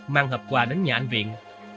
mang hộp quà đến nhà anh viện